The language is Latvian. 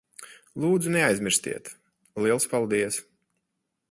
Lūdzu, neaizmirstiet. Liels paldies.